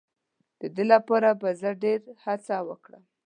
د دې لپاره به زه ډېر هڅه وکړم.